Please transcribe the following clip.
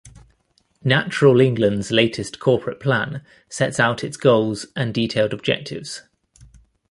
Natural England's latest corporate plan sets out its goals and detailed objectives.